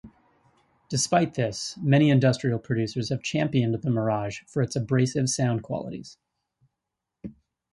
Despite this, many industrial producers have championed the Mirage for its abrasive sound qualities.